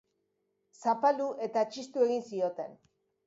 Zapaldu eta txistu egin zioten.